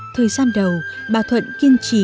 thời gian đầu bà thuận kiên trì